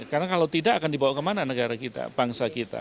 karena kalau tidak akan dibawa kemana negara kita bangsa kita